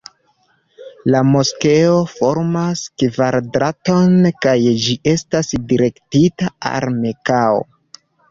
La moskeo formas kvadraton kaj ĝi estas direktita al Mekao.